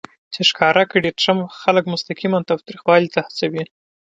چې ښکاره کړي ټرمپ خلک مستقیماً تاوتریخوالي ته هڅوي